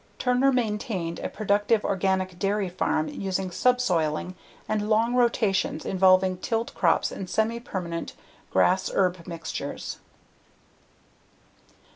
Turner maintained a productive organic dairy farm using subsoiling and long rotations involving tilled crops and semipermanent grass/herb mixtures.